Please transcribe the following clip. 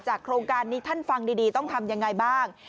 โครงการนี้ท่านฟังดีต้องทำยังไงบ้าง